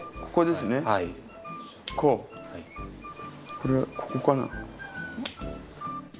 これはここかな？